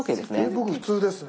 僕普通ですね。